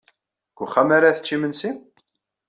Deg uxxam ara tečč imensi?